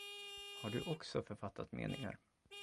Har du också författat meningar?